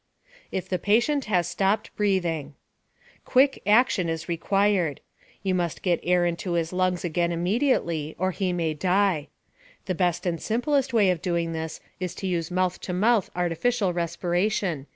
IF THE PATIENT HAS STOPPED BREATHING Quick action is required. You must get air into his lungs again immediately or he may die. The best and simplest way of doing this is to use mouth to mouth artificial respiration.